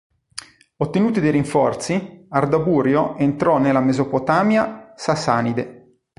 Ottenuti dei rinforzi, Ardaburio entrò nella Mesopotamia sasanide.